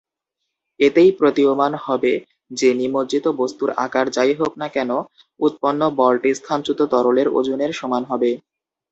এতেই প্রতীয়মান হবে যে নিমজ্জিত বস্তুর আকার যাই হোক না কেন উৎপন্ন বলটি স্থানচ্যুত তরলের ওজনের সমান হবে।